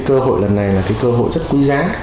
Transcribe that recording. cơ hội lần này là cái cơ hội rất quý giá